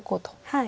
はい。